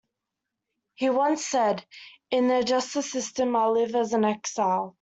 He once said, In the justice system, I live as in exile.